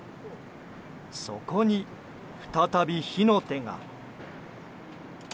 そこに、再び火の手が。